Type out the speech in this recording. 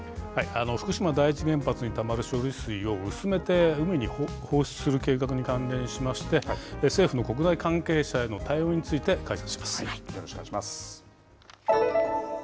福島第一原発にたまる処理水を薄めて、海に放出する計画に関連しまして、政府の国内関係者への対応について解説します。